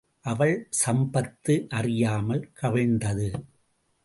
அவள் சம்பத்து அறியாமல் கவிழ்ந்தது.